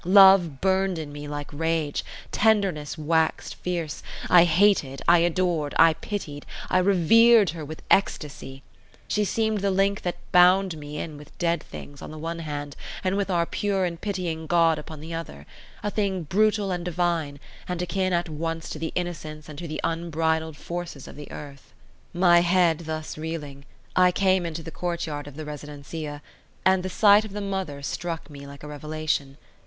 Love burned in me like rage; tenderness waxed fierce; I hated, I adored, I pitied, I revered her with ecstasy. She seemed the link that bound me in with dead things on the one hand, and with our pure and pitying God upon the other: a thing brutal and divine, and akin at once to the innocence and to the unbridled forces of the earth. My head thus reeling, I came into the courtyard of the residencia, and the sight of the mother struck me like a revelation.